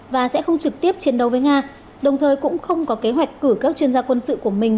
và sẽ không trực tiếp chiến đấu với nga đồng thời cũng không có kế hoạch cử các chuyên gia quân sự của mình